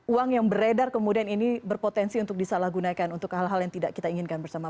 uang yang beredar kemudian ini berpotensi untuk disalahgunakan untuk hal hal yang tidak kita inginkan bersama